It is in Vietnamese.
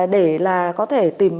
để là có thể tìm